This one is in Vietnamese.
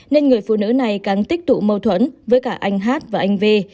nên người phụ nữ này càng tích tụ mâu thuẫn với cả anh hát và anh v